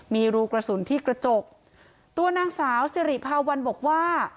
มีรูกระสุนที่กระจกตัวนางสาวสิริภาวันบอกว่า